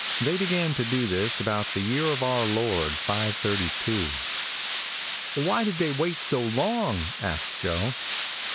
They began to do this about the year of our Lord 532." "Why did they wait so long?" asked Joe.